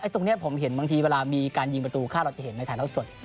ตรงนี้ผมเห็นบางทีเวลามีการยิงประตูเข้าเราจะเห็นในถ่ายเท่าสด